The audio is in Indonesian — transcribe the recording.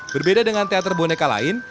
berbeda dengan teater boneka lain